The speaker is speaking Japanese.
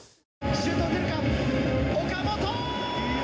「シュート打てるか岡本！」。